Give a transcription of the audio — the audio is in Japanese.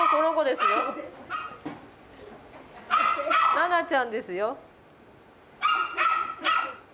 ナナちゃんですよ。